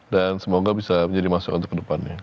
dan semoga bisa menjadi masyarakat ke depannya